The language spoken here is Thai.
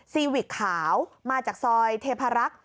ซีวิกขาวมาจากซอยเทพารักษ์